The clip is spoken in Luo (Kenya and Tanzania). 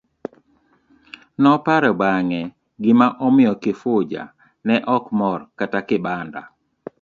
Noparo bang'e gima omiyo Kifuja ne ok mor kata kibanda.